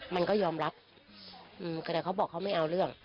มันก็ยอมรับแต่เขาบอกเขาไม่เอาเรื่อง